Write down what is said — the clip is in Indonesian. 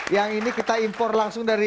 yang ini kita impor langsung dari